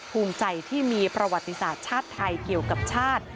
ภูมิใจที่มีประวัติศาสตร์ชาติไทยเกี่ยวกับชาติ